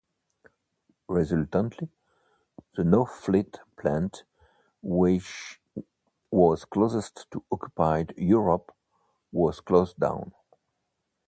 Resultantly, the Northfleet plant which was closest to occupied Europe was closed down.